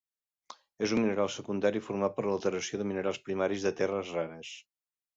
És un mineral secundari format per l'alteració de minerals primaris de terres rares.